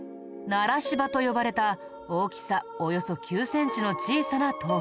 柴と呼ばれた大きさおよそ９センチの小さな陶器。